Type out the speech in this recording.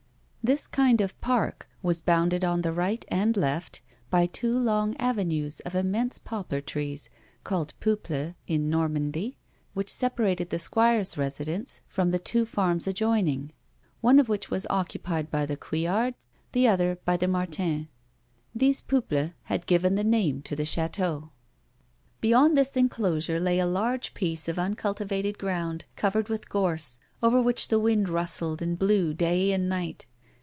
This kind of park was bounded on the right and left by 16 A WOMAN'S LIFE. two long aYenues of immense poplar teees (called peuples in Xormandy) which separated the squire's residence from the two farms adjoining, one of which was occnpied by the Couillards, the other by the Martins. These peuples had given the name to the chateau. Beyond this enclosure lay a large piece of uncultivated ground covered with gorse, over which the wind rustled and blew day and night.